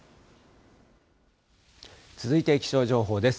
続いて気象情報です。